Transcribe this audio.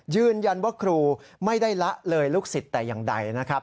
ยืนยันว่าครูไม่ได้ละเลยลูกศิษย์แต่อย่างใดนะครับ